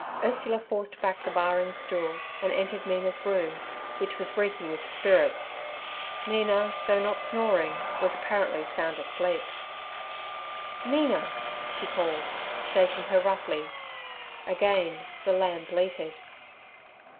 Ursula forced back the barring stool, and entered Mina's room, which was reeking with spirits. Mina, though not snoring, was apparently sound asleep. 'Mina!' she called, shaking her roughly. Again the lamb bleated.